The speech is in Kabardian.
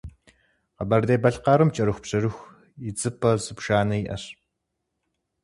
Къэбэрдей-Балъкъэрым кӏэрыхубжьэрыху идзыпӏэ зыбжанэ иӏэщ.